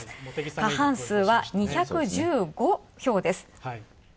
過半数は２１５票です。